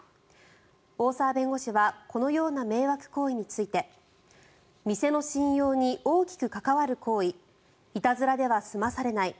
大澤弁護士はこのような迷惑行為について店の信用に大きく関わる行為いたずらでは済まされない。